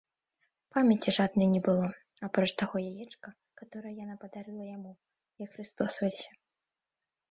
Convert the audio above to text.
Памяці жаднай не было, апроч таго яечка, каторае яна падарыла яму, як хрыстосаваліся.